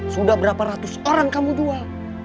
sudah berapa ratus orang kamu jual